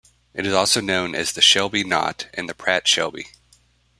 It is also known as the Shelby knot and the Pratt-Shelby.